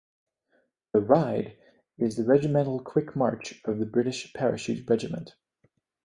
The "Ride" is the regimental quick march of the British Parachute Regiment.